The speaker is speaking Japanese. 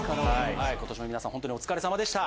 今年も皆さんお疲れさまでした。